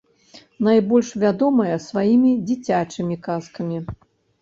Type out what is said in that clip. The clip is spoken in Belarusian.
Найбольш вядомая сваімі дзіцячымі казкамі.